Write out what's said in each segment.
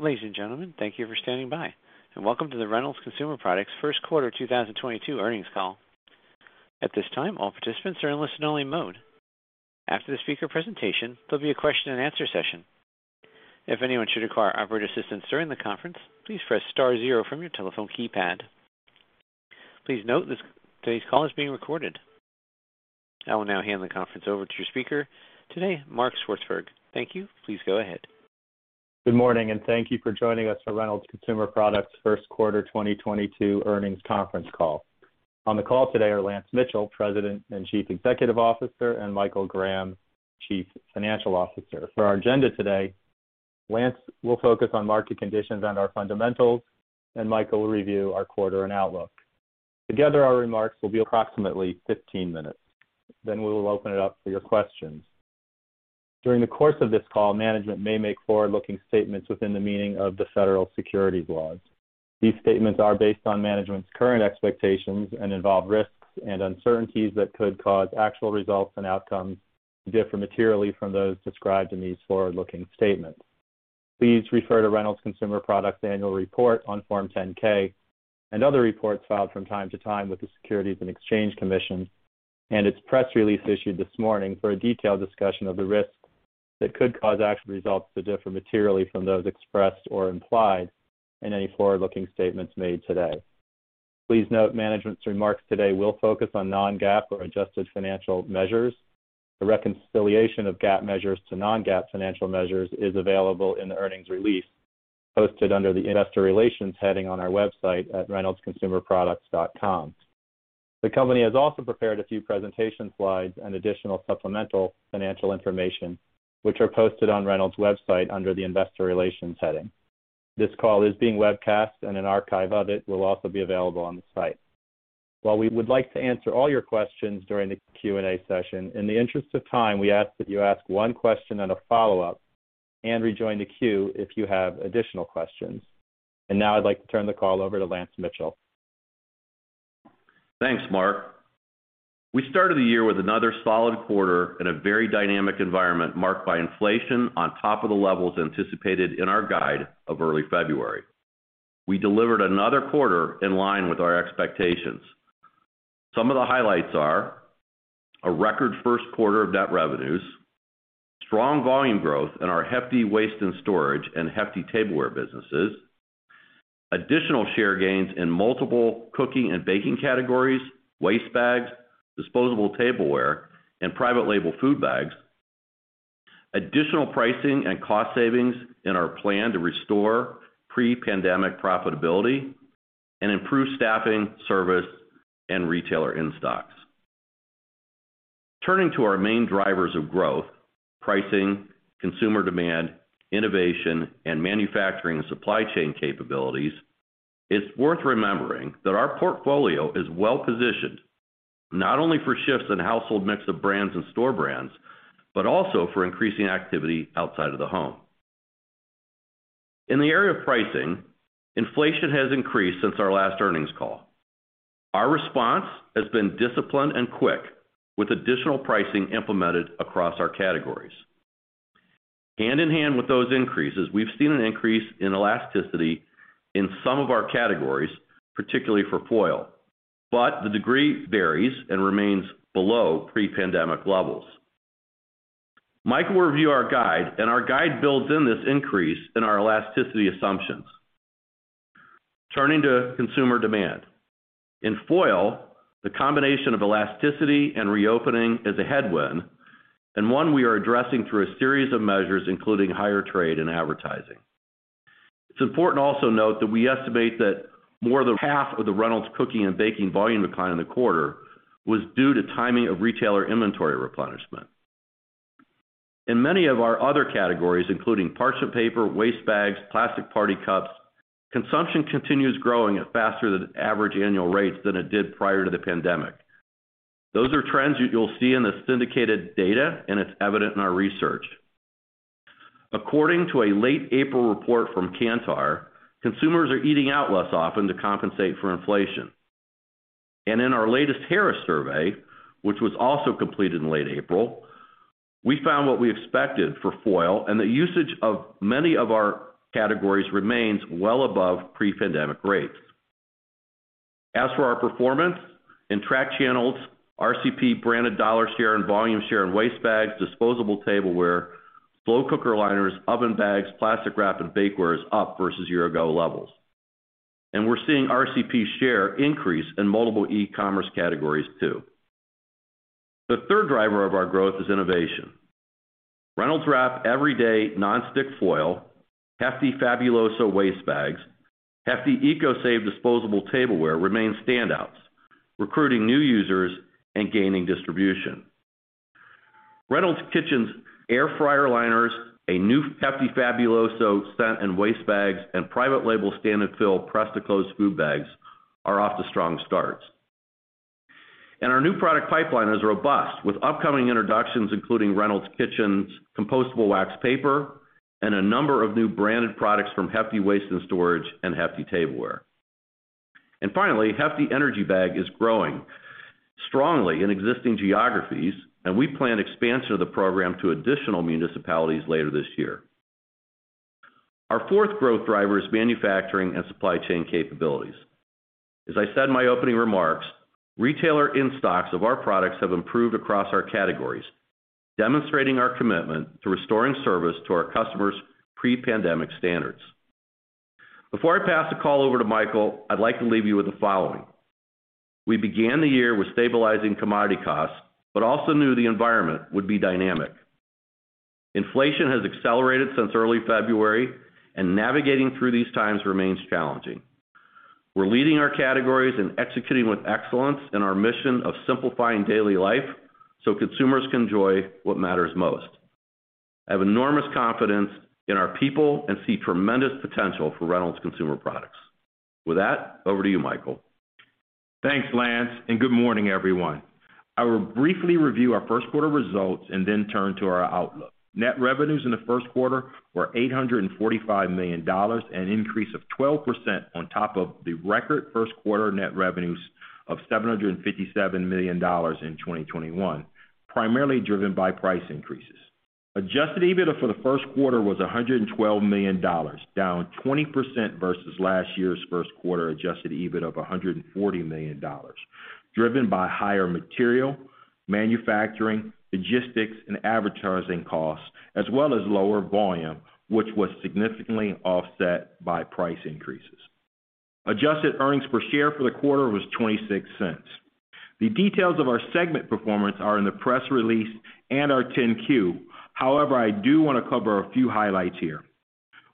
Ladies and gentlemen, thank you for standing by, and welcome to the Reynolds Consumer Products First Quarter 2022 earnings call. At this time, all participants are in listen-only mode. After the speaker presentation, there'll be a question-and-answer session. If anyone should require operator assistance during the conference, please press star zero from your telephone keypad. Please note this, today's call is being recorded. I will now hand the conference over to your speaker. Today, Mark Swartzberg. Thank you. Please go ahead. Good morning, and thank you for joining us for Reynolds Consumer Products first quarter 2022 earnings conference call. On the call today are Lance Mitchell, President and Chief Executive Officer, and Michael Graham, Chief Financial Officer. For our agenda today, Lance will focus on market conditions and our fundamentals, and Michael will review our quarter and outlook. Together, our remarks will be approximately 15 minutes, then we will open it up for your questions. During the course of this call, management may make forward-looking statements within the meaning of the federal securities laws. These statements are based on management's current expectations and involve risks and uncertainties that could cause actual results and outcomes to differ materially from those described in these forward-looking statements. Please refer to Reynolds Consumer Products Annual Report on Form 10-K and other reports filed from time to time with the Securities and Exchange Commission and its press release issued this morning for a detailed discussion of the risks that could cause actual results to differ materially from those expressed or implied in any forward-looking statements made today. Please note, management's remarks today will focus on non-GAAP or adjusted financial measures. The reconciliation of GAAP measures to non-GAAP financial measures is available in the earnings release posted under the Investor Relations heading on our website at reynoldsconsumerproducts.com. The company has also prepared a few presentation slides and additional supplemental financial information, which are posted on Reynolds' website under the Investor Relations heading. This call is being webcast, and an archive of it will also be available on the site. While we would like to answer all your questions during the Q&A session, in the interest of time, we ask that you ask one question and a follow-up and rejoin the queue if you have additional questions. Now I'd like to turn the call over to Lance Mitchell. Thanks, Mark. We started the year with another solid quarter in a very dynamic environment marked by inflation on top of the levels anticipated in our guide of early February. We delivered another quarter in line with our expectations. Some of the highlights are a record first quarter of net revenues, strong volume growth in our Hefty Waste & Storage and Hefty Tableware businesses, additional share gains in multiple cooking and baking categories, waste bags, disposable tableware, and private label food bags, additional pricing and cost savings in our plan to restore pre-pandemic profitability, and improve staffing, service, and retailer in-stocks. Turning to our main drivers of growth, pricing, consumer demand, innovation, and manufacturing and supply chain capabilities, it's worth remembering that our portfolio is well-positioned, not only for shifts in household mix of brands and store brands, but also for increasing activity outside of the home. In the area of pricing, inflation has increased since our last earnings call. Our response has been disciplined and quick, with additional pricing implemented across our categories. Hand in hand with those increases, we've seen an increase in elasticity in some of our categories, particularly for foil, but the degree varies and remains below pre-pandemic levels. Mike will review our guide, and our guide builds in this increase in our elasticity assumptions. Turning to consumer demand. In foil, the combination of elasticity and reopening is a headwind and one we are addressing through a series of measures, including higher trade and advertising. It's important to also note that we estimate that more than half of the Reynolds Cooking and Baking volume decline in the quarter was due to timing of retailer inventory replenishment. In many of our other categories, including parchment paper, waste bags, plastic party cups, consumption continues growing at faster than average annual rates than it did prior to the pandemic. Those are trends you'll see in the syndicated data, and it's evident in our research. According to a late April report from Kantar, consumers are eating out less often to compensate for inflation. In our latest Harris survey, which was also completed in late April, we found what we expected for foil, and the usage of many of our categories remains well above pre-pandemic rates. As for our performance, in tracked channels, RCP branded dollar share and volume share in waste bags, disposable tableware, slow cooker liners, oven bags, plastic wrap, and bakeware is up versus year ago levels. We're seeing RCP share increase in multiple e-commerce categories too. The third driver of our growth is innovation. Reynolds Wrap Everyday Non-Stick Foil, Hefty Fabuloso Waste Bags, Hefty ECOSAVE Disposable Tableware remain standouts, recruiting new users and gaining distribution. Reynolds Kitchens Air Fryer Liners, a new Hefty Fabuloso Scented Waste Bags, and private label standard fill press-to-close food bags are off to strong starts. Our new product pipeline is robust, with upcoming introductions, including Reynolds Kitchens Compostable Parchment Paper, and a number of new branded products from Hefty Waste & Storage and Hefty Tableware. Finally, Hefty EnergyBag is growing strongly in existing geographies, and we plan expansion of the program to additional municipalities later this year. Our fourth growth driver is manufacturing and supply chain capabilities. As I said in my opening remarks, retailer in-stocks of our products have improved across our categories, demonstrating our commitment to restoring service to our customers pre-pandemic standards. Before I pass the call over to Michael, I'd like to leave you with the following. We began the year with stabilizing commodity costs, but also knew the environment would be dynamic. Inflation has accelerated since early February, and navigating through these times remains challenging. We're leading our categories and executing with excellence in our mission of simplifying daily life so consumers can enjoy what matters most. I have enormous confidence in our people and see tremendous potential for Reynolds Consumer Products. With that, over to you, Michael. Thanks, Lance, and good morning, everyone. I will briefly review our first quarter results and then turn to our outlook. Net revenues in the first quarter were $845 million, an increase of 12% on top of the record first quarter net revenues of $757 million in 2021, primarily driven by price increases. Adjusted EBITDA for the first quarter was $112 million, down 20% versus last year's first quarter adjusted EBITDA of $140 million, driven by higher material, manufacturing, logistics, and advertising costs, as well as lower volume, which was significantly offset by price increases. Adjusted earnings per share for the quarter was $0.26. The details of our segment performance are in the press release and our Form 10-Q. However, I do wanna cover a few highlights here.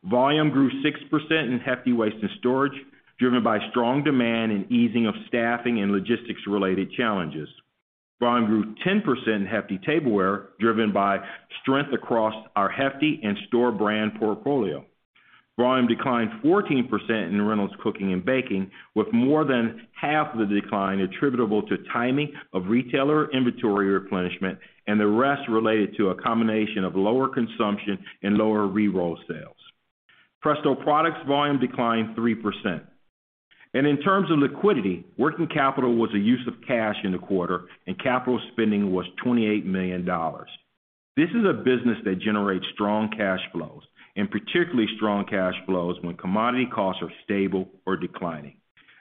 Volume grew 6% in Hefty Waste & Storage, driven by strong demand and easing of staffing and logistics-related challenges. Volume grew 10% in Hefty Tableware, driven by strength across our Hefty and store brand portfolio. Volume declined 14% in Reynolds Cooking & Baking, with more than half of the decline attributable to timing of retailer inventory replenishment and the rest related to a combination of lower consumption and lower reroll sales. Presto Products volume declined 3%. In terms of liquidity, working capital was a use of cash in the quarter, and capital spending was $28 million. This is a business that generates strong cash flows, and particularly strong cash flows when commodity costs are stable or declining.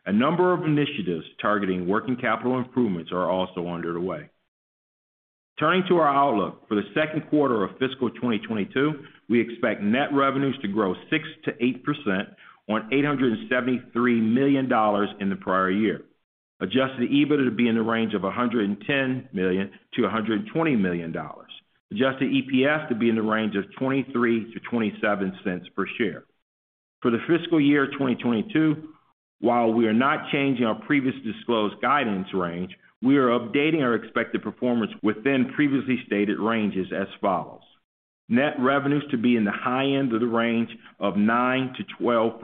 A number of initiatives targeting working capital improvements are also underway. Turning to our outlook. For the second quarter of fiscal 2022, we expect net revenues to grow 6% to 8% on $873 million in the prior year. Adjusted EBITDA to be in the range of $110 million to $120 million. Adjusted EPS to be in the range of $0.23 to $0.27 per share. For the fiscal year 2022, while we are not changing our previous disclosed guidance range, we are updating our expected performance within previously stated ranges as follows: Net revenues to be in the high end of the range of 9% to 12%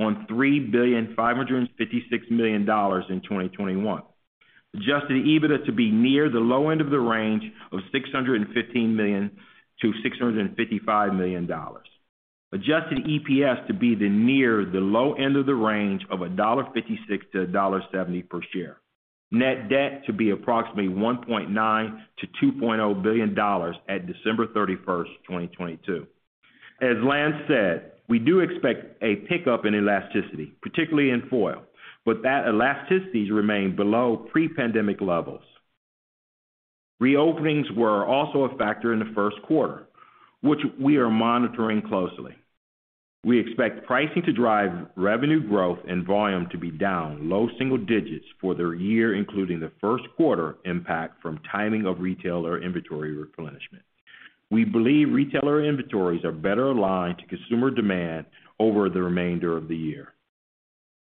on $3.556 billion in 2021. Adjusted EBITDA to be near the low end of the range of $615 million to $655 million. Adjusted EPS to be near the low end of the range of $1.56 to $1.70 per share. Net debt to be approximately $1.9 billion to $2 billion at December 31st, 2022. As Lance said, we do expect a pickup in elasticity, particularly in foil, but that elasticities remain below pre-pandemic levels. Reopenings were also a factor in the first quarter, which we are monitoring closely. We expect pricing to drive revenue growth and volume to be down low single digits for the year, including the first quarter impact from timing of retailer inventory replenishment. We believe retailer inventories are better aligned to consumer demand over the remainder of the year.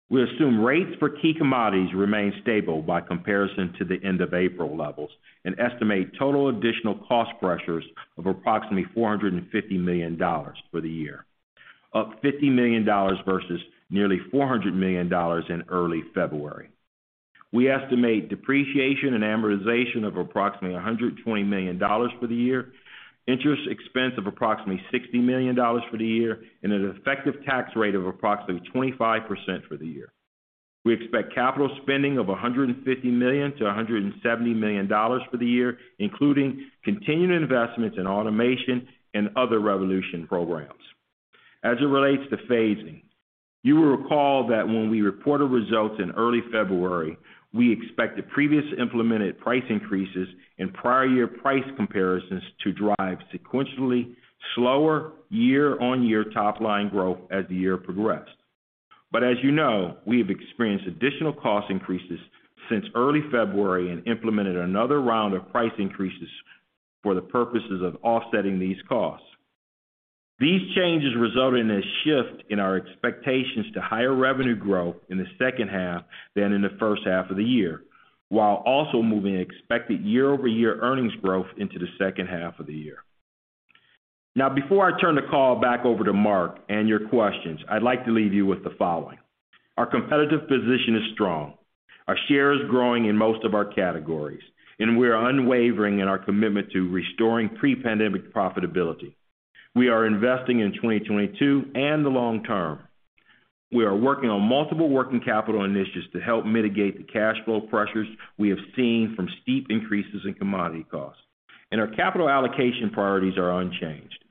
We assume rates for key commodities remain stable by comparison to the end of April levels and estimate total additional cost pressures of approximately $450 million for the year, up $50 million versus nearly $400 million in early February. We estimate depreciation and amortization of approximately $120 million for the year, interest expense of approximately $60 million for the year, and an effective tax rate of approximately 25% for the year. We expect capital spending of $150 million to $170 million for the year, including continued investments in automation and other Reyvolution programs. As it relates to phasing, you will recall that when we reported results in early February, we expect the previous implemented price increases and prior year price comparisons to drive sequentially slower year-on-year top line growth as the year progressed. As you know, we have experienced additional cost increases since early February and implemented another round of price increases for the purposes of offsetting these costs. These changes result in a shift in our expectations to higher revenue growth in the second half than in the first half of the year, while also moving expected year-over-year earnings growth into the second half of the year. Now, before I turn the call back over to Mark and your questions, I'd like to leave you with the following: Our competitive position is strong. Our share is growing in most of our categories, and we are unwavering in our commitment to restoring pre-pandemic profitability. We are investing in 2022 and the long term. We are working on multiple working capital initiatives to help mitigate the cash flow pressures we have seen from steep increases in commodity costs. Our capital allocation priorities are unchanged.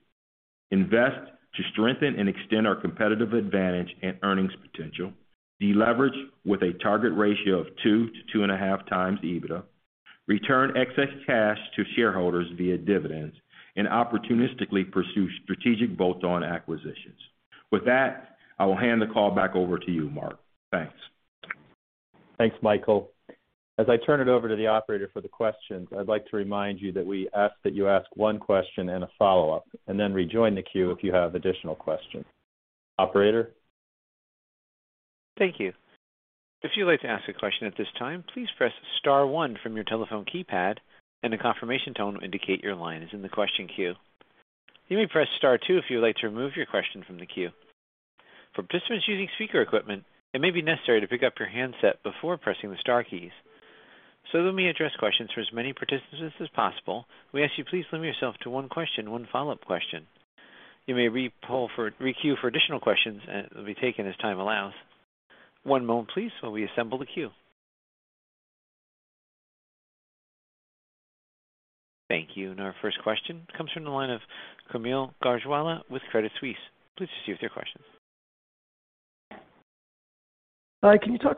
Invest to strengthen and extend our competitive advantage and earnings potential, deleverage with a target ratio of two to 2.5 times EBITDA, return excess cash to shareholders via dividends, and opportunistically pursue strategic bolt-on acquisitions. With that, I will hand the call back over to you, Mark. Thanks. Thanks, Michael. As I turn it over to the operator for the questions, I'd like to remind you that we ask that you ask one question and a follow-up, and then rejoin the queue if you have additional questions. Operator? Thank you. If you'd like to ask a question at this time, please press star one from your telephone keypad, and a confirmation tone will indicate your line is in the question queue. You may press star two if you would like to remove your question from the queue. For participants using speaker equipment, it may be necessary to pick up your handset before pressing the star keys. So that we may address questions for as many participants as possible, we ask you please limit yourself to one question, one follow-up question. You may re-queue for additional questions that will be taken as time allows. One moment, please, while we assemble the queue. Thank you. Our first question comes from the line of Kaumil Gajrawala with Credit Suisse. Please proceed with your question. Hi, can you talk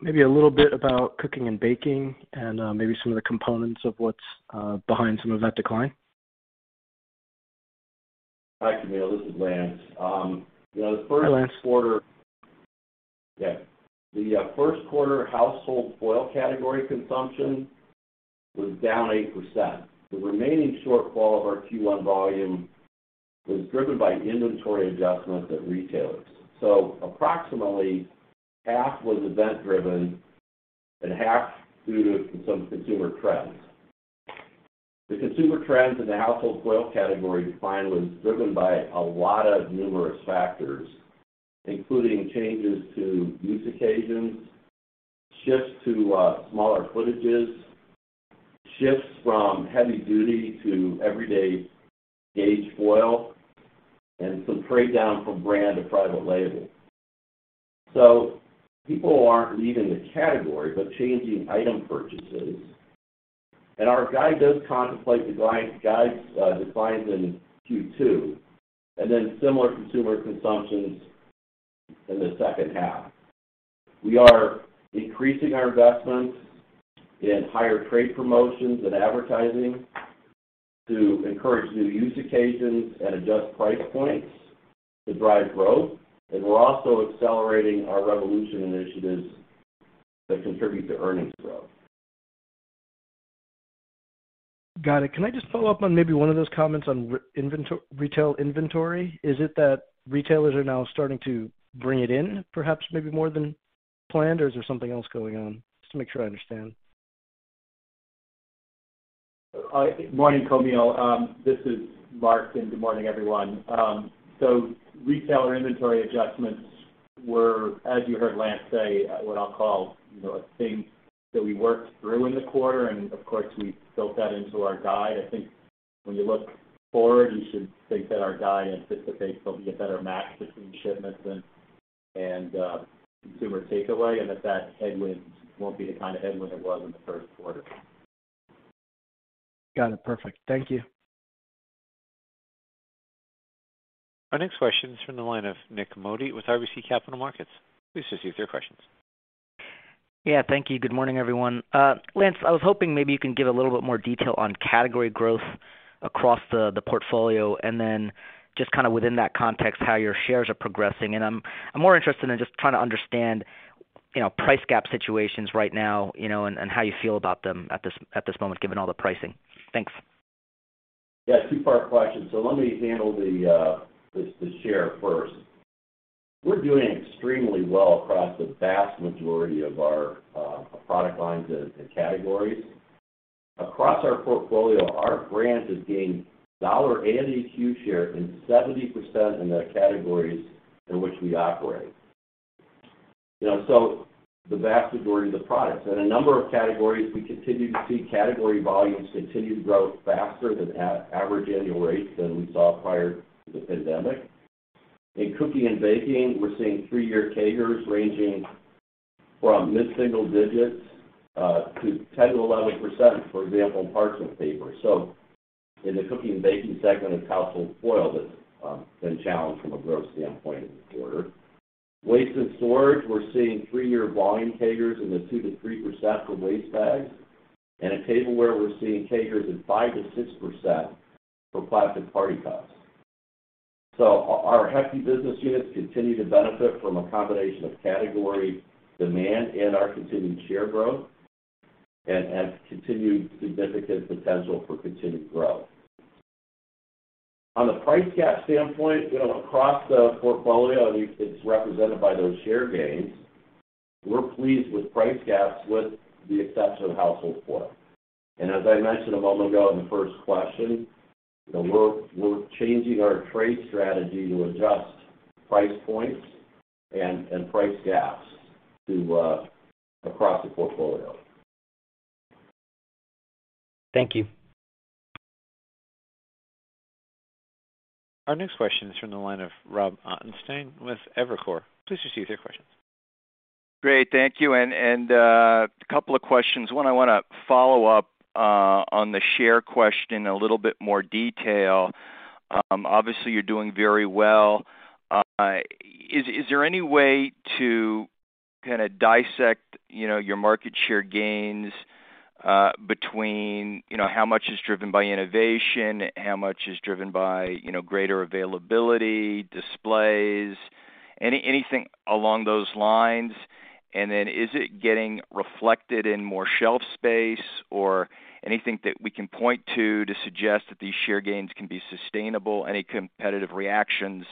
maybe a little bit about cooking and baking and maybe some of the components of what's behind some of that decline? Hi, Kaumil. This is Lance. You know, Hi, Lance. The first quarter household foil category consumption was down 8%. The remaining shortfall of our Q1 volume was driven by inventory adjustments at retailers. Approximately half was event-driven and half due to some consumer trends. The consumer trends in the household foil category decline was driven by a number of factors, including changes to use occasions, shifts to smaller footages, shifts from heavy duty to everyday gauge foil, and some trade down from brand to private label. People aren't leaving the category but changing item purchases. Our guide does contemplate the guide's declines in Q2, and then similar consumer consumptions in the second half. We are increasing our investments in higher trade promotions and advertising to encourage new use occasions and adjust price points to drive growth. We're also accelerating our Reyvolution initiatives that contribute to earnings growth. Got it. Can I just follow up on maybe one of those comments on retail inventory? Is it that retailers are now starting to bring it in, perhaps, maybe more than planned? Or is there something else going on? Just to make sure I understand. Morning, Kaumil. This is Mark, and good morning, everyone. Retailer inventory adjustments were, as you heard Lance say, what I'll call, you know, a thing that we worked through in the quarter, and of course, we built that into our guide. I think when you look forward, you should think that our guide anticipates there'll be a better match between shipments and consumer takeaway, and that headwind won't be the kind of headwind it was in the first quarter. Got it. Perfect. Thank you. Our next question is from the line of Nik Modi with RBC Capital Markets. Please proceed with your questions. Yeah, thank you. Good morning, everyone. Lance, I was hoping maybe you can give a little bit more detail on category growth across the portfolio, and then just kinda within that context, how your shares are progressing. I'm more interested in just trying to understand, you know, price gap situations right now, you know, and how you feel about them at this moment, given all the pricing. Thanks. Yeah, two-part question. Let me handle the share first. We're doing extremely well across the vast majority of our product lines and categories. Across our portfolio, our brand has gained dollar and EQ share in 70% in the categories in which we operate. You know, so the vast majority of the products. In a number of categories, we continue to see category volumes continue to grow faster than average annual rates than we saw prior to the pandemic. In cooking and baking, we're seeing three-year CAGRs ranging from mid-single digits to 10% to 11%, for example, in parchment paper. In the cooking and baking segment, it's household foil that's been challenged from a growth standpoint in the quarter. Waste and storage, we're seeing three-year volume CAGRs in the 2% to 3% for waste bags. In tableware, we're seeing CAGRs of 5% to 6% for plastic party cups. Our Hefty business units continue to benefit from a combination of category demand and our continued share growth, and continued significant potential for continued growth. On the price gap standpoint, you know, across the portfolio, I mean, it's represented by those share gains. We're pleased with price gaps with the exception of household foil. As I mentioned a moment ago in the first question, you know, we're changing our trade strategy to adjust price points and price gaps across the portfolio. Thank you. Our next question is from the line of Rob Ottenstein with Evercore. Please go ahead with your question. Great. Thank you. A couple of questions. One, I wanna follow up on the share question a little bit more detail. Obviously you're doing very well. Is there any way to kinda dissect, you know, your market share gains between, you know, how much is driven by innovation? How much is driven by, you know, greater availability, displays? Anything along those lines? Is it getting reflected in more shelf space or anything that we can point to to suggest that these share gains can be sustainable? Any competitive reactions?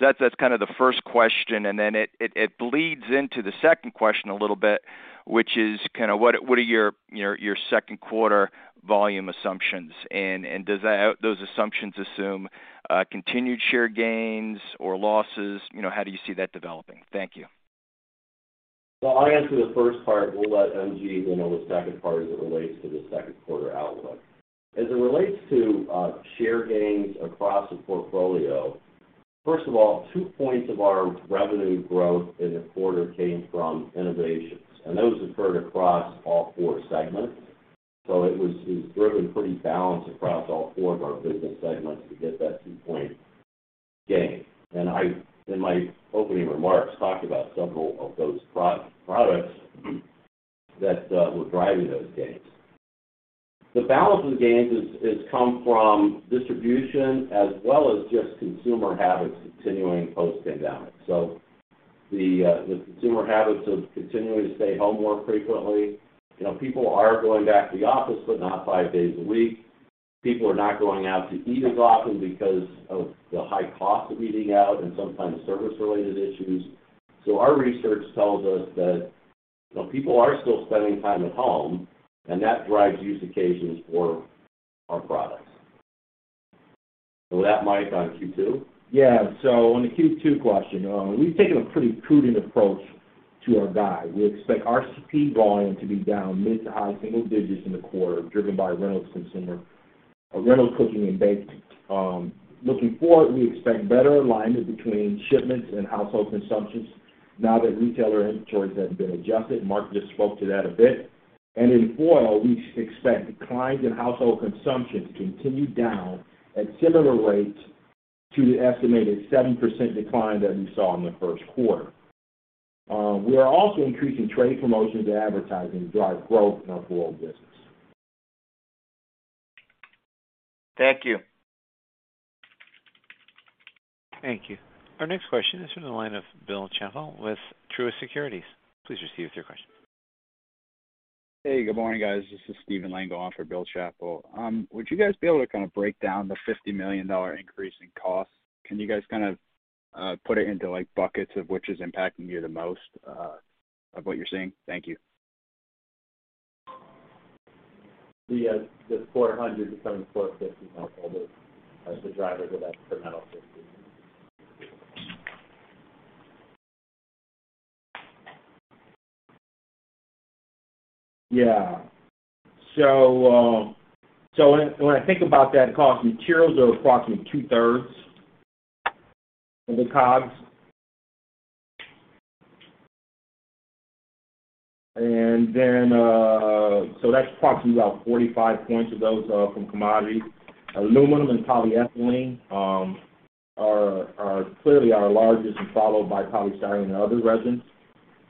That's kind of the first question. It bleeds into the second question a little bit, which is kinda what are your second quarter volume assumptions? Does that those assumptions assume continued share gains or losses? You know, how do you see that developing? Thank you. I'll answer the first part. We'll let MG, you know, the second part as it relates to the second quarter outlook. As it relates to share gains across the portfolio, first of all, two points of our revenue growth in the quarter came from innovations, and those occurred across all four segments. It was driven pretty balanced across all four of our business segments to get that two-point gain. I in my opening remarks talked about several of those Presto products that were driving those gains. The balance of the gains comes from distribution as well as just consumer habits continuing post-pandemic. The consumer habits of continuing to stay home more frequently. You know, people are going back to the office, but not five days a week. People are not going out to eat as often because of the high cost of eating out and sometimes service related issues. Our research tells us that, you know, people are still spending time at home, and that drives use occasions for our products. With that, Mike, on Q2? Yeah. On the Q2 question, we've taken a pretty prudent approach to our guide. We expect RCP volume to be down mid- to high-single digits in the quarter, driven by Reynolds Consumer, Reynolds Cooking & Baking. Looking forward, we expect better alignment between shipments and household consumptions now that retailer inventories have been adjusted. Mark just spoke to that a bit. In foil, we expect declines in household consumption to continue down at similar rates to the estimated 7% decline that we saw in the first quarter. We are also increasing trade promotions and advertising to drive growth in our foil business. Thank you. Thank you. Our next question is from the line of Bill Chappell with Truist Securities. Please proceed with your question. Hey, good morning, guys. This is Stephen Lengel on for Bill Chappell. Would you guys be able to kinda break down the $50 million increase in costs? Can you guys kind of put it into, like, buckets of which is impacting you the most of what you're seeing? Thank you. The 400 to 750 household is the driver to that incremental 50. When I think about that cost, materials are approximately two-thirds of the COGS. That's approximately about 45 points of those are from commodities. Aluminum and polyethylene are clearly our largest, followed by polystyrene and other resins.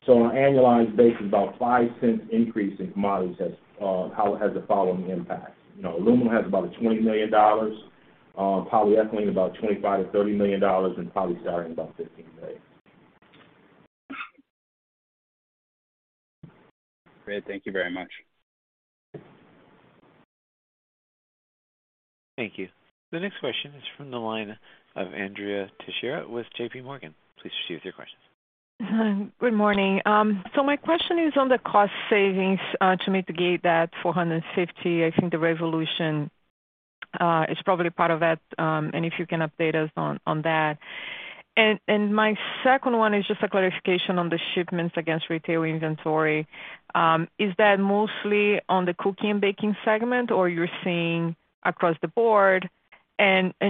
On an annualized basis, about $0.05 increase in commodities has the following impact. Aluminum has about $20 million, polyethylene about $25 million to $30 million and polystyrene about $15 million. Great. Thank you very much. Thank you. The next question is from the line of Andrea Teixeira with J.P. Morgan. Please proceed with your question. Good morning. My question is on the cost savings to mitigate that $450. I think the Reyvolution is probably part of that, and if you can update us on that. My second one is just a clarification on the shipments against retail inventory. Is that mostly on the Cooking and Baking segment or you're seeing across the board?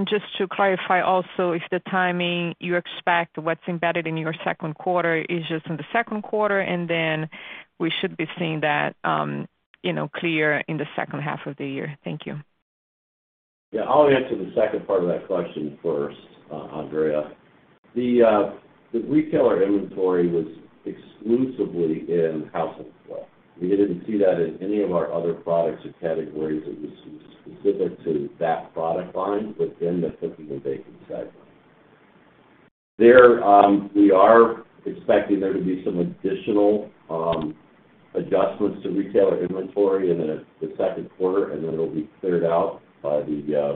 Just to clarify also, if the timing you expect what's embedded in your second quarter is just in the second quarter, and then we should be seeing that, you know, clear in the second half of the year. Thank you. Yeah. I'll answer the second part of that question first, Andrea. The retailer inventory was exclusively in household foil. We didn't see that in any of our other products or categories. It was specific to that product line within the Cooking and Baking segment. We are expecting there to be some additional adjustments to retailer inventory in the second quarter, and then it'll be cleared out by the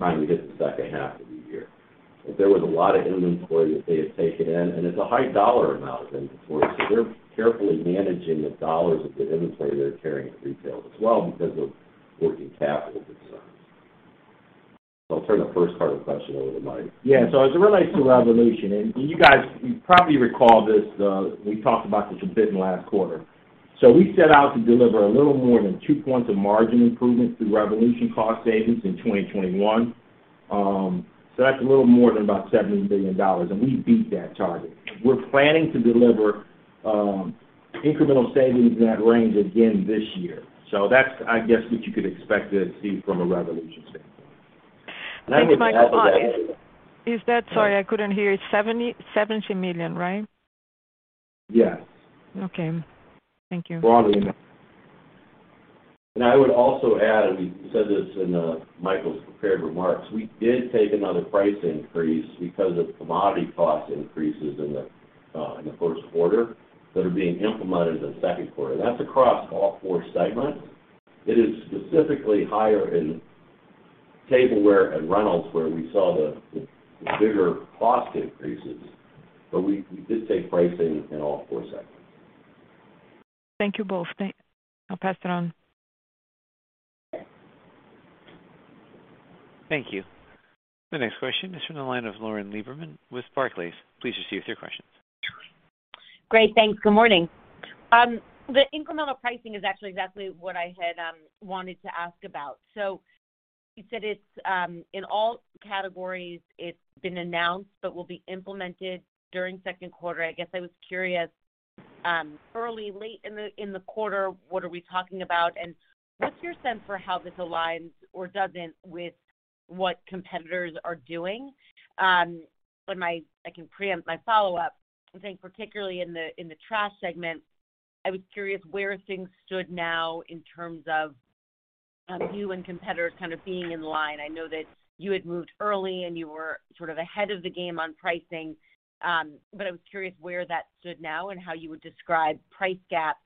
time we hit the second half of the year. There was a lot of inventory that they had taken in, and it's a high dollar amount of inventory, so they're carefully managing the dollars of the inventory they're carrying at retail as well because of working capital concerns. I'll turn the first part of the question over to Mike. Yeah. As it relates to Reyvolution, and you guys, you probably recall this, we talked about this a bit in last quarter. We set out to deliver a little more than two points of margin improvement through Reyvolution cost savings in 2021. That's a little more than about $70 million, and we beat that target. We're planning to deliver incremental savings in that range again this year. That's, I guess, what you could expect to see from a Reyvolution standpoint. Thanks, Michael. Sorry, I couldn't hear. It's $70 million, right? Yes. Okay. Thank you. Broadly. I would also add, and we said this in Michael's prepared remarks, we did take another price increase because of commodity cost increases in the first quarter that are being implemented in the second quarter. That's across all four segments. It is specifically higher in Tableware and Reynolds, where we saw the bigger cost increases, but we did take pricing in all four segments. Thank you both. I'll pass it on. Thank you. The next question is from the line of Lauren Lieberman with Barclays. Please proceed with your questions. Great. Thanks. Good morning. The incremental pricing is actually exactly what I had wanted to ask about. You said it's in all categories, it's been announced, but will be implemented during second quarter. I guess I was curious, early, late in the quarter, what are we talking about, and what's your sense for how this aligns or doesn't with what competitors are doing? I can preempt my follow-up. I'm saying particularly in the trash segment, I was curious where things stood now in terms of you and competitors kind of being in line. I know that you had moved early and you were sort of ahead of the game on pricing. I was curious where that stood now and how you would describe price gaps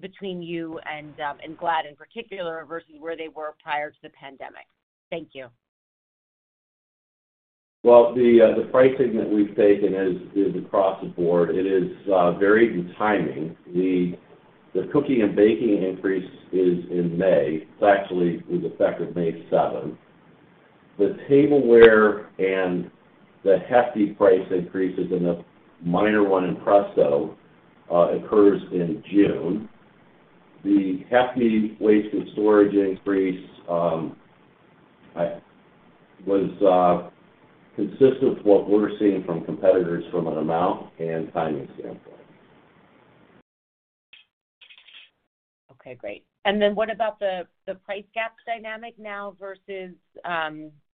between you and Glad in particular versus where they were prior to the pandemic? Thank you. Well, the pricing that we've taken is across the board. It is varied in timing. The cooking and baking increase is in May. It's actually with effect of May 7th. The tableware and the Hefty price increases and the minor one in Presto occurs in June. The Hefty waste and storage increase was consistent with what we're seeing from competitors from an amount and timing standpoint. Okay, great. What about the price gap dynamic now versus,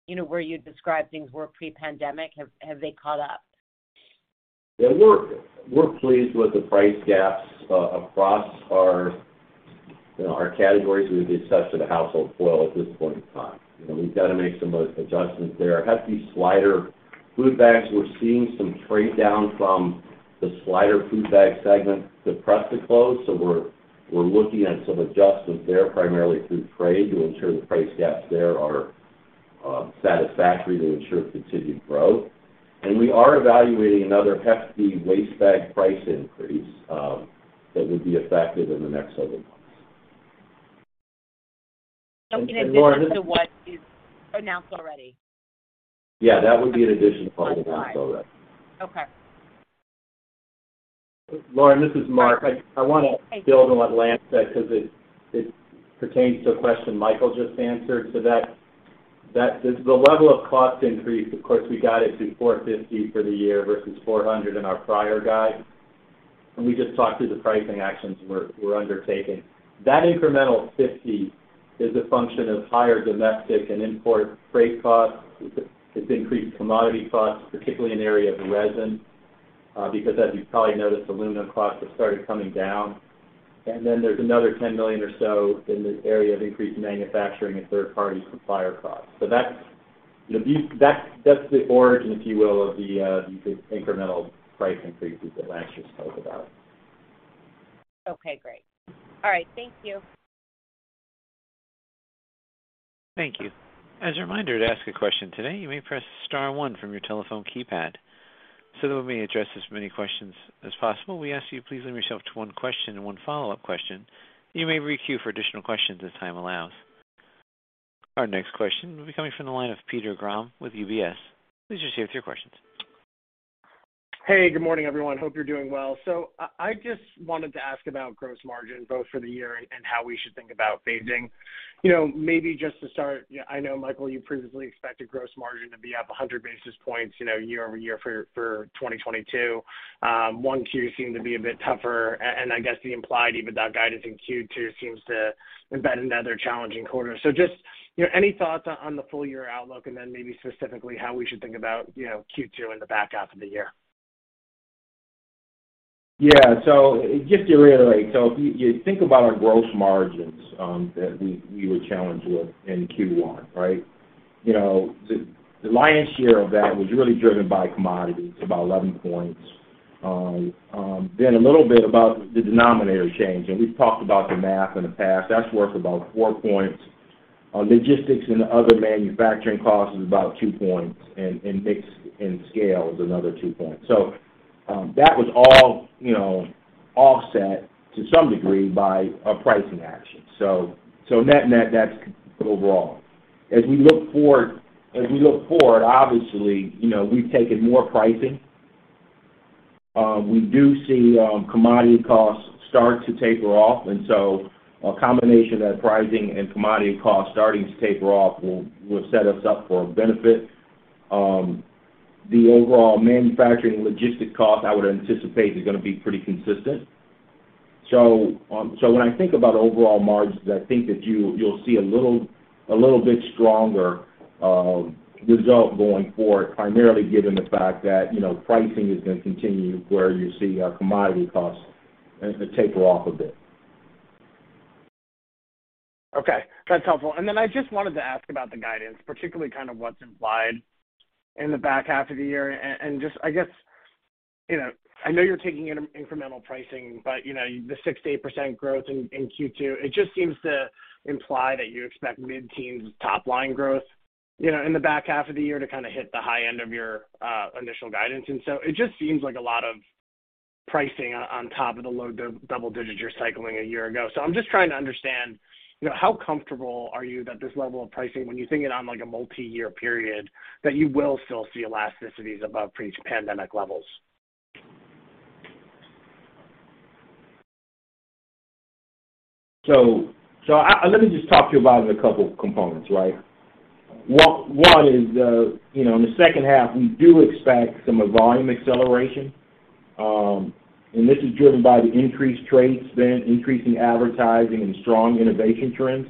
you know, where you described things were pre-pandemic? Have they caught up? Yeah. We're pleased with the price gaps across our, you know, our categories with the exception of household foil at this point in time. You know, we've got to make some adjustments there. Hefty Slider food bags, we're seeing some trade down from the slider food bag segment to press the close. We're looking at some adjustments there primarily through trade to ensure the price gaps there are satisfactory to ensure continued growth. We are evaluating another Hefty waste bag price increase that would be effective in the next several months. In addition to what is announced already? Yeah, that would be in addition to what we announced already. Okay. Lauren, this is Mark. I wanna build on what Lance said because it pertains to a question Michael just answered. That's the level of cost increase. Of course, we got it to $450 for the year versus $400 in our prior guide. We just talked through the pricing actions we're undertaking. That incremental $50 is a function of higher domestic and import freight costs. It's increased commodity costs, particularly in the area of resin, because as you probably noticed, aluminum costs have started coming down. Then there's another $10 million or so in the area of increased manufacturing and third-party supplier costs. That's, you know, the origin, if you will, of the incremental price increases that Lance just spoke about. Okay, great. All right. Thank you. Thank you. As a reminder to ask a question today, you may press star one from your telephone keypad. That we may address as many questions as possible, we ask you please limit yourself to one question and one follow-up question. You may re-queue for additional questions as time allows. Our next question will be coming from the line of Peter Grom with UBS. Please proceed with your questions. Hey, good morning, everyone. Hope you're doing well. I just wanted to ask about gross margin, both for the year and how we should think about phasing. You know, maybe just to start, you know, I know, Michael, you previously expected gross margin to be up 100 basis points, you know, year-over-year for 2022. 1Q seemed to be a bit tougher, and I guess the implied, even in that guidance, in Q2 seems to embed another challenging quarter. Just, you know, any thoughts on the full year outlook and then maybe specifically how we should think about, you know, Q2 and the back half of the year? Yeah. Just to reiterate, if you think about our gross margins that we were challenged with in Q1, right? You know, the lion's share of that was really driven by commodities, about 11 points. Then a little bit about the denominator change, and we've talked about the math in the past. That's worth about four points. Logistics and other manufacturing costs is about two points, and mix and scale is another two points. That was all, you know, offset to some degree by a pricing action. Net net, that's overall. As we look forward, obviously, you know, we've taken more pricing. We do see commodity costs start to taper off, and a combination of that pricing and commodity costs starting to taper off will set us up for a benefit. The overall manufacturing logistics cost, I would anticipate, is gonna be pretty consistent. When I think about overall margins, I think that you'll see a little bit stronger result going forward, primarily given the fact that, you know, pricing is gonna continue as you see our commodity costs taper off a bit. Okay, that's helpful. I just wanted to ask about the guidance, particularly kind of what's implied in the back half of the year. Just I guess, you know, I know you're taking in incremental pricing, but, you know, the 6% to 8% growth in Q2, it just seems to imply that you expect mid-teens top-line growth, you know, in the back half of the year to kind of hit the high end of your initial guidance. It just seems like a lot of pricing on top of the low double digits you're cycling a year ago. I'm just trying to understand, you know, how comfortable are you that this level of pricing, when you think it on like a multi-year period, that you will still see elasticities above pre-pandemic levels? Let me just talk to you about it in a couple of components, right? One is, you know, in the second half, we do expect some volume acceleration. This is driven by the increased trade spend, increasing advertising, and strong innovation trends.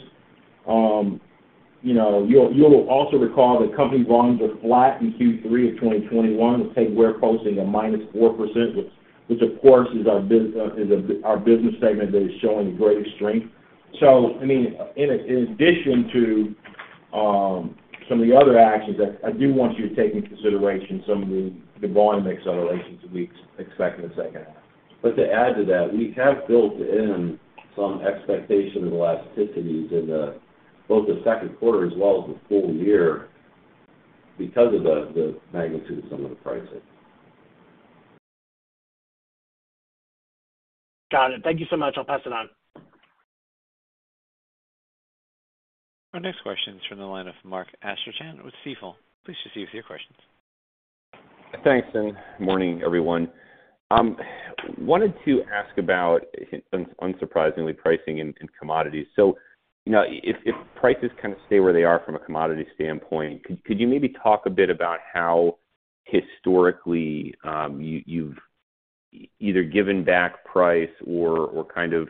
You know, you'll also recall that company volumes are flat in Q3 of 2021, let's say we're posting a -4%, which of course is our business segment that is showing the greatest strength. I mean, in addition to some of the other actions, I do want you to take into consideration some of the volume accelerations that we expect in the second half. To add to that, we have built in some expectation of elasticities in both the second quarter as well as the full year because of the magnitude of some of the pricing. Got it. Thank you so much. I'll pass it on. Our next question is from the line of Mark Astrachan with Stifel. Please proceed with your questions. Thanks. Morning, everyone. Wanted to ask about, unsurprisingly, pricing and commodities. You know, if prices kind of stay where they are from a commodity standpoint, could you maybe talk a bit about how historically you have either given back price or kind of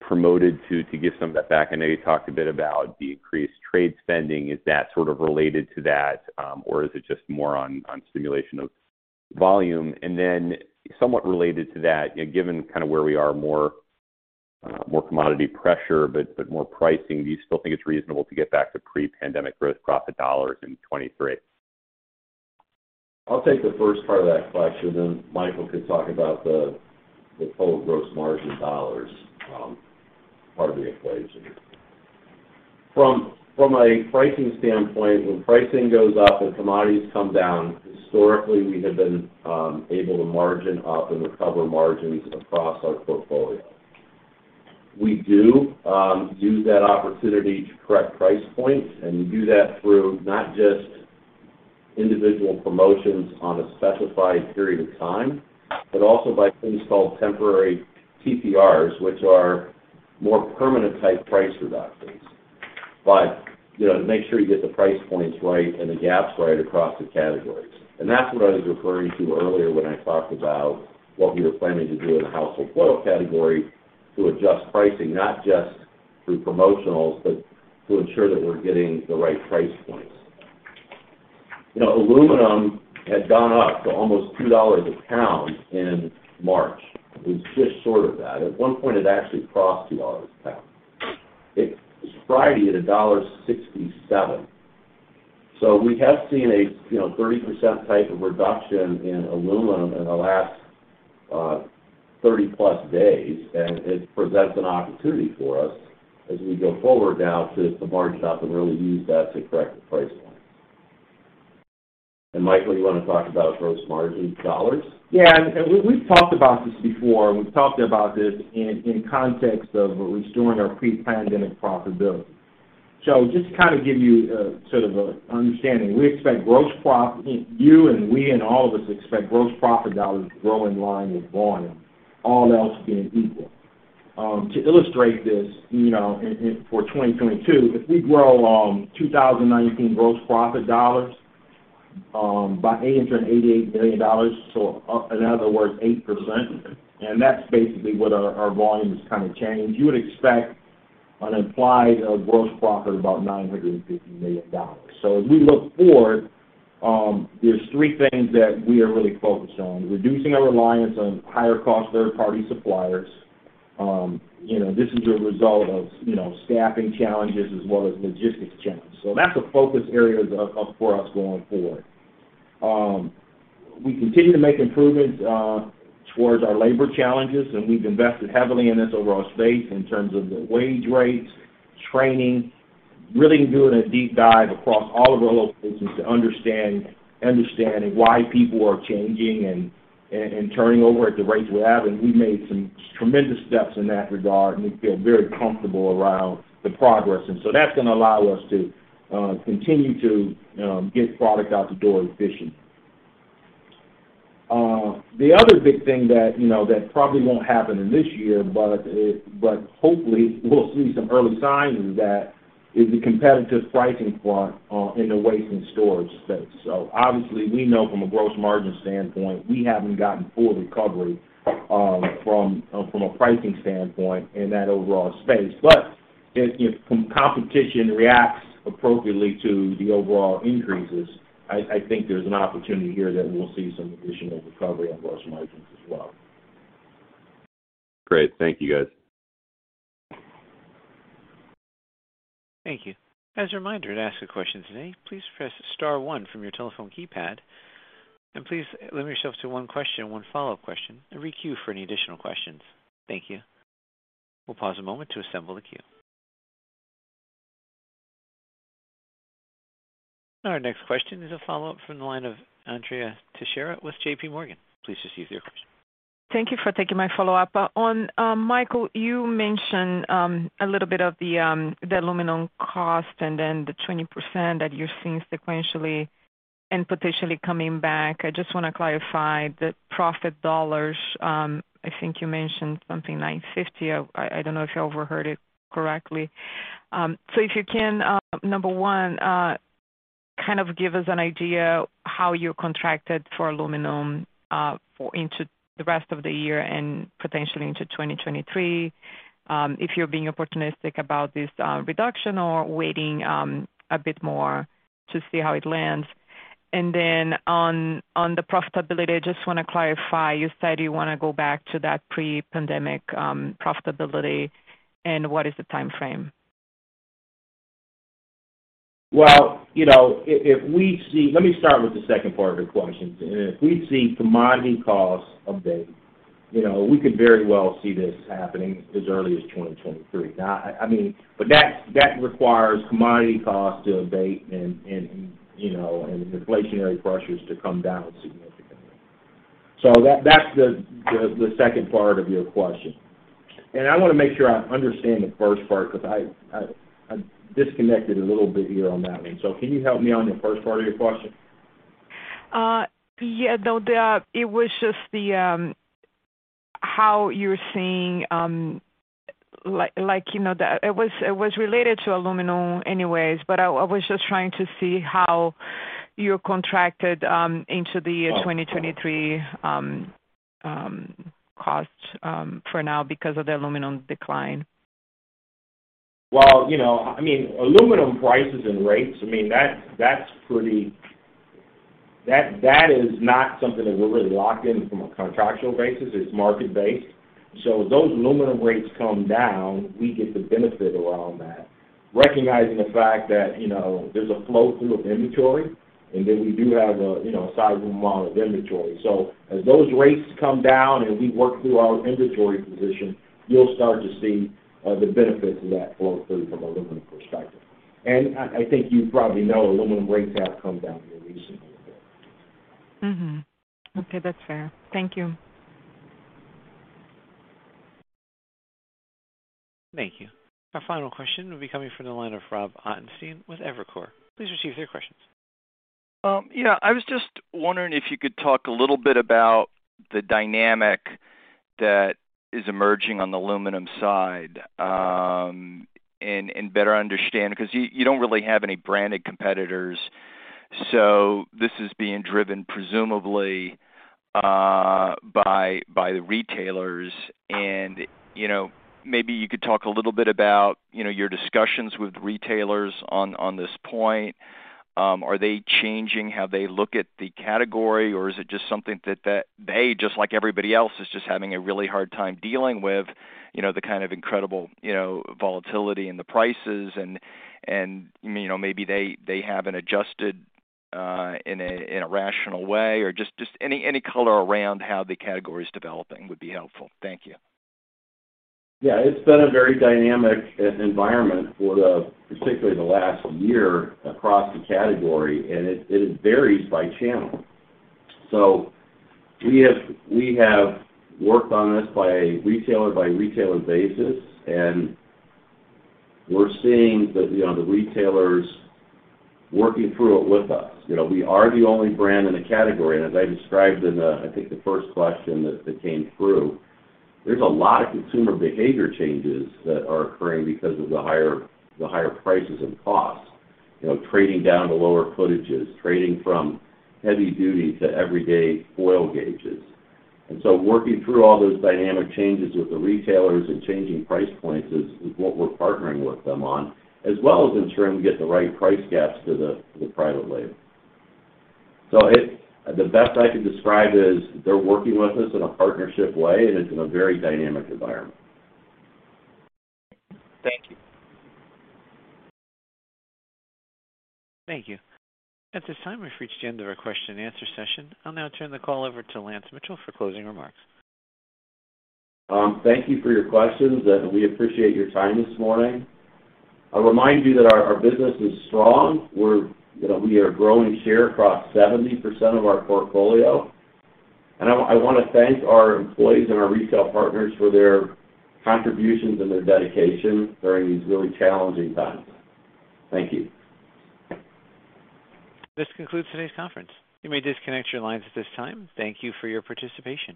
promoted to give some of that back? I know you talked a bit about the increased trade spending. Is that sort of related to that? Or is it just more on stimulation of volume? Somewhat related to that, given kind of where we are, more commodity pressure, but more pricing, do you still think it's reasonable to get back to pre-pandemic gross profit dollars in 2023? I'll take the first part of that question then Michael could talk about the total gross margin dollars, part of the equation. From a pricing standpoint, when pricing goes up and commodities come down, historically, we have been able to margin up and recover margins across our portfolio. We do use that opportunity to correct price points, and we do that through not just individual promotions on a specified period of time, but also by things called temporary TPRs, which are more permanent type price reductions. But, you know, to make sure you get the price points right and the gaps right across the categories. That's what I was referring to earlier when I talked about what we were planning to do in the household foil category to adjust pricing, not just through promotions, but to ensure that we're getting the right price points. You know, aluminum had gone up to almost $2 a pound in March. We've just shorted that. At one point, it actually crossed $2 a pound. It was Friday at $1.67. We have seen a, you know, 30% type of reduction in aluminum in the last 30+ days, and it presents an opportunity for us as we go forward now to margin up and really use that to correct the price point. Michael, you wanna talk about gross margin dollars? Yeah. We've talked about this before. We've talked about this in context of restoring our pre-pandemic profitability. Just to kind of give you a sort of a understanding, we expect you and we and all of us expect gross profit dollars to grow in line with volume, all else being equal. To illustrate this, you know, in 2022, if we grow 2019 gross profit dollars by $70 million, in other words, 8%, and that's basically what our volume is kinda changed. You would expect an implied gross profit of about $950 million. As we look forward, there's three things that we are really focused on reducing our reliance on higher cost third-party suppliers. You know, this is a result of staffing challenges as well as logistics challenges. That's a focus area for us going forward. We continue to make improvements towards our labor challenges, and we've invested heavily in this over all states in terms of the wage rates, training. Really doing a deep dive across all of our locations to understand understanding why people are changing and turning over at the rates we have, and we made some tremendous steps in that regard, and we feel very comfortable around the progress. That's gonna allow us to continue to get product out the door efficiently. The other big thing that, you know, that probably won't happen in this year but hopefully we'll see some early signs of that is the competitive pricing front in the waste and storage space. Obviously, we know from a gross margin standpoint, we haven't gotten full recovery from a pricing standpoint in that overall space. If competition reacts appropriately to the overall increases, I think there's an opportunity here that we'll see some additional recovery on gross margins as well. Great. Thank you, guys. Thank you. As a reminder, to ask a question today, please press star one from your telephone keypad, and please limit yourself to one question and one follow-up question. Re-queue for any additional questions. Thank you. We'll pause a moment to assemble the queue. Our next question is a follow-up from the line of Andrea Teixeira with J.P. Morgan. Please proceed with your question. Thank you for taking my follow-up. On Michael, you mentioned a little bit of the aluminum cost and then the 20% that you're seeing sequentially and potentially coming back. I just wanna clarify the profit dollars. I think you mentioned something $950. I don't know if I overheard it correctly. If you can, number one, kind of give us an idea how you contracted for aluminum into the rest of the year and potentially into 2023, if you're being opportunistic about this reduction or waiting a bit more to see how it lands. On the profitability, I just wanna clarify, you said you wanna go back to that pre-pandemic profitability, and what is the timeframe? Let me start with the second part of your question. If we see commodity costs abate, you know, we could very well see this happening as early as 2023. Now, I mean, but that requires commodity costs to abate and, you know, and inflationary pressures to come down significantly. That's the second part of your question. I wanna make sure I understand the first part because I disconnected a little bit here on that one. Can you help me on the first part of your question? It was related to aluminum anyways, but I was just trying to see how you're contracted into the year 2023 cost for now because of the aluminum decline. Well, you know, I mean, aluminum prices and rates. I mean, that's not something that we're really locked in from a contractual basis. It's market-based. So those aluminum rates come down, we get the benefit around that. Recognizing the fact that, you know, there's a flow through of inventory, and then we do have a sizable amount of inventory. So as those rates come down and we work through our inventory position, you'll start to see the benefits of that flow through from an aluminum perspective. I think you probably know aluminum rates have come down here recently a bit. Okay, that's fair. Thank you. Thank you. Our final question will be coming from the line of Rob Ottenstein with Evercore ISI. Please proceed with your questions. I was just wondering if you could talk a little bit about the dynamic that is emerging on the aluminum side, and better understand 'cause you don't really have any branded competitors, so this is being driven presumably by the retailers. You know, maybe you could talk a little bit about, you know, your discussions with retailers on this point. Are they changing how they look at the category, or is it just something that they, just like everybody else, is just having a really hard time dealing with, you know, the kind of incredible, you know, volatility in the prices and, you know, maybe they haven't adjusted in a rational way? Or just any color around how the category is developing would be helpful. Thank you. Yeah. It's been a very dynamic environment, particularly the last year across the category, and it varies by channel. We have worked on this by retailer by retailer basis, and we're seeing you know, the retailers working through it with us. You know, we are the only brand in the category, and as I described in the, I think, the first question that came through, there's a lot of consumer behavior changes that are occurring because of the higher prices and costs. You know, trading down to lower footages, trading from heavy duty to everyday foil gauges. Working through all those dynamic changes with the retailers and changing price points is what we're partnering with them on, as well as ensuring we get the right price gaps to the private label. The best I can describe it is they're working with us in a partnership way, and it's in a very dynamic environment. Thank you. Thank you. At this time, we've reached the end of our question and answer session. I'll now turn the call over to Lance Mitchell for closing remarks. Thank you for your questions, and we appreciate your time this morning. I'll remind you that our business is strong. You know, we are growing share across 70% of our portfolio. I wanna thank our employees and our retail partners for their contributions and their dedication during these really challenging times. Thank you. This concludes today's conference. You may disconnect your lines at this time. Thank you for your participation.